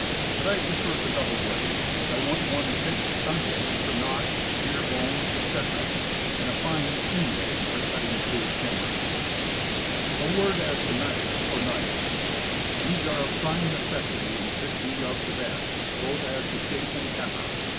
But I prefer the double blade. I want one thick, stunt edge for knots, deer's bones, etc., and a fine, keen edge for cutting clear timber. Cooking Utensils. 13 A word as to knife, or knives. These are of prime necessity, and should be of the best, both as to shape and temper.